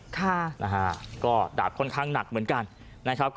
ค่ะนะฮะก็ดาบค่อนข้างหนักเหมือนกันนะครับ